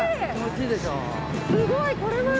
すごいこれは。